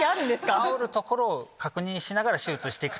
治るところを確認しながら手術して行く。